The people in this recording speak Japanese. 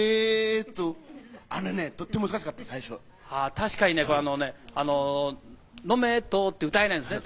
確かにね「飲めと」って歌えないんですね。